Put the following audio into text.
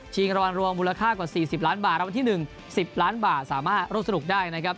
รางวัลรวมมูลค่ากว่า๔๐ล้านบาทรางวัลที่๑๐ล้านบาทสามารถร่วมสนุกได้นะครับ